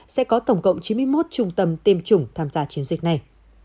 sẽ có tổng cộng chín mươi một trung tâm tiêm chủng tham gia chiến dịch này